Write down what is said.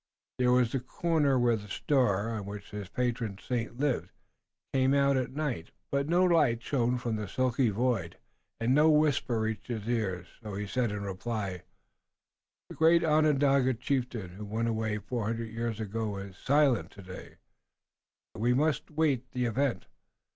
There was the corner, where the star, on which his patron saint lived, came out at night, but no light shone from the silky void and no whisper reached his ear. So he said in reply: "The great Onondaga chieftain who went away four hundred years ago is silent today, and we must await the event."